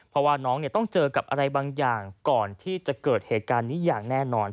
เพราะว่าน้องต้องเจอกับอะไรบางอย่างก่อนที่จะเกิดเหตุการณ์นี้อย่างแน่นอน